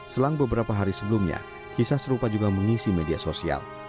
selang beberapa hari sebelumnya kisah serupa juga mengisi media sosial